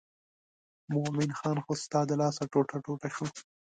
مومن خان خو ستا د لاسه ټوټه ټوټه شو.